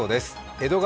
江戸川